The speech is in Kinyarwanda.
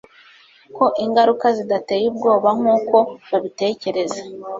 ko ingaruka zidateye ubwoba nkuko babitekereza